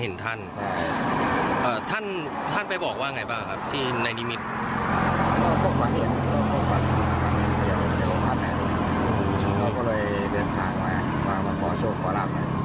เอ่อท่านท่านไปบอกว่าไงบ้างครับที่ในญิมิตร